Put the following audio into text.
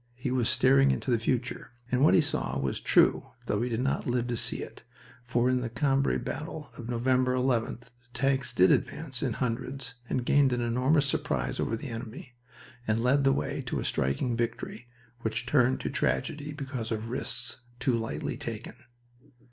He was staring into the future... And what he saw was true, though he did not live to see it, for in the Cambrai battle of November 11th the tanks did advance in hundreds, and gained an enormous surprise over the enemy, and led the way to a striking victory, which turned to tragedy because of risks too lightly taken.